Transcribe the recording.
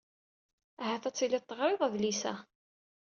Ahat ad tiliḍ teɣriḍ adlis-a.